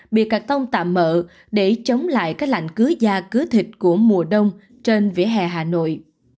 bịa cà tông tạm mỡ để chống lại các lạnh cứa da cứa thịt của mùa đông trên vỉa hè hà nội